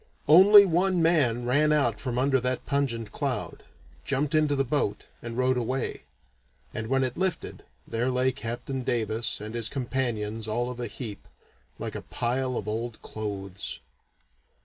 Only one man ran out from under that pungent cloud, jumped into the boat, and rowed away; and when it lifted, there lay Captain Davis and his companions all of a heap, like a pile of old clothes.